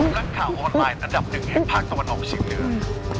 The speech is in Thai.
รักข่าวออนไลน์อันดับหนึ่งเหตุภาคตะวันออก๑๐เดือน